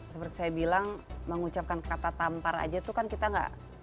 seperti saya bilang mengucapkan kata tampar aja itu kan kita gak